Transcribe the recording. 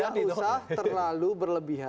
tidak usah terlalu berlebihan